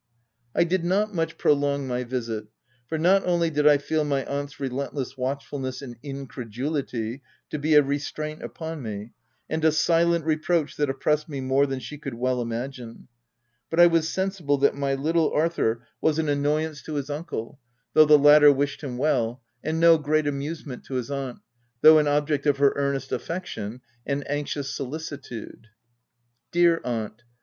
I did not much prolong my visit, for, not only did I feel my aunt's relentless watchful ness and incredulity to be a restraint upon me, and a silent reproach that oppressed me more than she could well imagine, but I was sensi ble that my little Arthur was an annoyance to 206 THE TENANT his uncle, though the latter wished him well, and no great amusement to his aunt, though an object of her earnest affection and anxious soli citude. Dear aunt